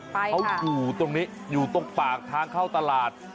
ไปค่ะเขาสู่ตรงนี้อยู่ตรงฝากทางเข้าตลาด